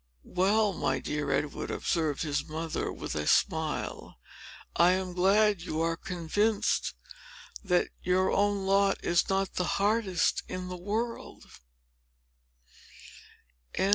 "Well, my dear Edward," observed his mother, with a smile, "I am glad you are convinced that your own lot is not the hardest in the world."